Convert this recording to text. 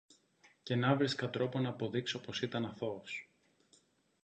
Και νάβρισκα τρόπο ν' αποδείξω πως ήταν αθώος.